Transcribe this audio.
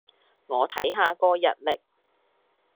我睇下個日曆